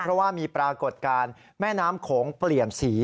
เพราะว่ามีปรากฏการณ์แม่น้ำโขงเปลี่ยนสี